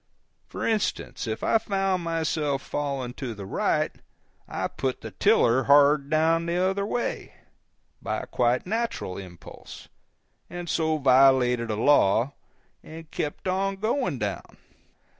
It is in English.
For instance, if I found myself falling to the right, I put the tiller hard down the other way, by a quite natural impulse, and so violated a law, and kept on going down.